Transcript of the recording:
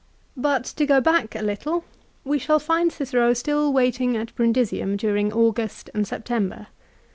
But to go back a little ; we shall find Cicero still waiting B c 47 at Brundisium during August and September.